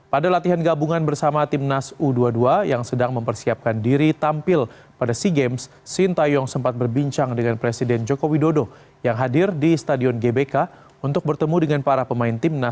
pada latihan gabungan bersama tim nas u dua puluh dua yang sedang mempersiapkan diri tampil pada sea games sintayong sempat berbincang dengan presiden jokowi dodo yang hadir di stadion gbk untuk bertemu dengan para pemain tim nas u dua puluh